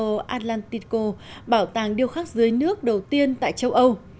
muxelo atlantico bảo tàng điêu khắc dưới nước đầu tiên tại châu âu